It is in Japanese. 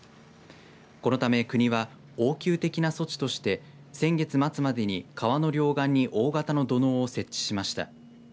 このため国は応急的な措置として先月末までに川の両岸に大型の土のうを設置しました。